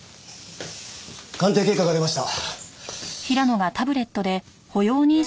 鑑定結果が出ました。